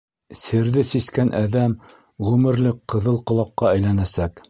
Серҙе сискән әҙәм ғүмерлек ҡыҙыл ҡолаҡҡа әйләнәсәк.